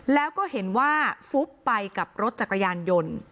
แล้วก็เห็นว่าฟุบไปกับรถจักรยานยนต์